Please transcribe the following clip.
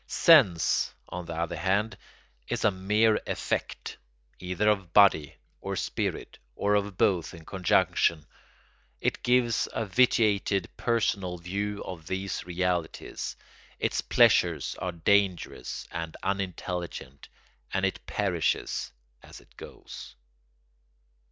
Sense, on the other hand, is a mere effect, either of body or spirit or of both in conjunction. It gives a vitiated personal view of these realities. Its pleasures are dangerous and unintelligent, and it perishes as it goes.